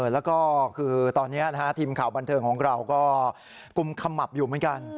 แล้วก็คือตอนนี้ทีมข่าวบันเทิงของเราก็กุมขมับอยู่เหมือนกัน